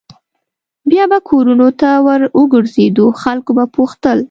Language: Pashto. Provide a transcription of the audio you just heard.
بیا به کورونو ته ور وګرځېدو خلکو به پوښتل.